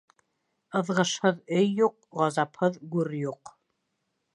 Ыҙғышһыҙ өй юҡ, ғазапһыҙ гүр юҡ.